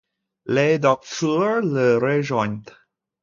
Le docteur le rejoint.